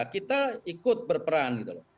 kita ikut berperan gitu loh